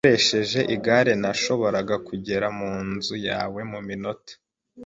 Nkoresheje igare, nashoboraga kugera munzu yawe muminota .